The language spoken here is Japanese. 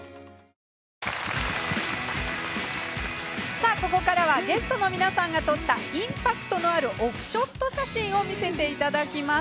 さあ、ここからはゲストの皆さんが撮ったインパクトのあるオフショット写真を見せていただきます。